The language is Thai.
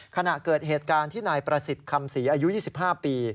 ขณะเกิดเหตุการณ์ที่นายประสิทธิ์คำศรีอายุ๒๕ปี